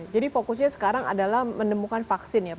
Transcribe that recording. jadi fokusnya sekarang adalah menemukan vaksin ya pak ya